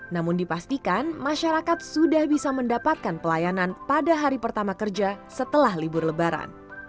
namun dipastikan masyarakat sudah bisa mendapatkan pelayanan pada hari pertama kerja setelah libur lebaran